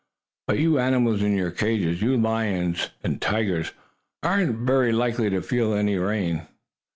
"But you animals in your cages you lions and tigers aren't very likely to feel any rain.